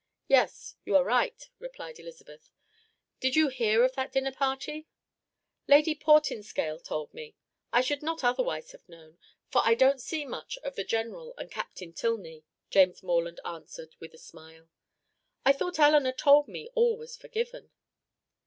"Yes, you are right," replied Elizabeth. "Did you hear of that dinner party?" "Lady Portinscale told me. I should not otherwise have known, for I don't see much of the General and Captain Tilney," James Morland answered with a smile. "I thought Eleanor told me all was forgiven?"